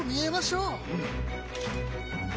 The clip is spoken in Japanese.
うん。